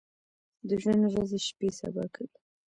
د ژوند ورځې شپې سبا کوي ۔